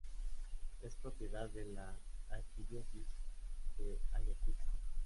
Es propiedad de la Arquidiócesis de Ayacucho.